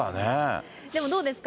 でもどうですか？